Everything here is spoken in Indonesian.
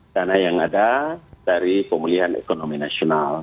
dana yang ada dari pemulihan ekonomi nasional